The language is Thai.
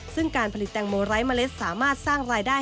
ซึ่งการผลิตแตงโมไร้เมล็ดสามารถสร้างรายได้